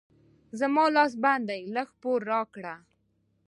زما لاس بند دی؛ لږ پور راکړه.